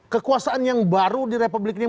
kekuasaan yang baru di republik ini